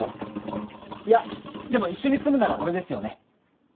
いやでも一緒に住むなら俺ですよね？